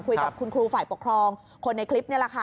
คุยกับคุณครูฝ่ายปกครองคนในคลิปนี่แหละค่ะ